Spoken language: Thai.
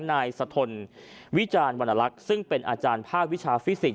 นายสะทนวิจารณวรรณลักษณ์ซึ่งเป็นอาจารย์ภาควิชาฟิสิกส